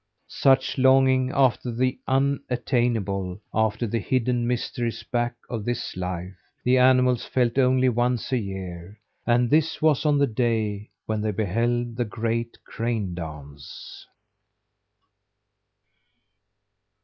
Such longing after the unattainable, after the hidden mysteries back of this life, the animals felt only once a year; and this was on the day when they beheld the great crane dance.